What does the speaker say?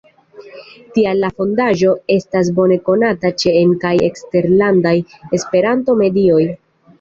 Tial la Fondaĵo estas bone konata ĉe en- kaj eksterlandaj Esperanto-medioj.